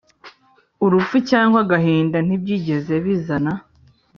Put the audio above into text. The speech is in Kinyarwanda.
urupfu cyangwa agahinda ntibyigeze bizana